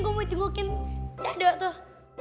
gua mau cengukin dado tuh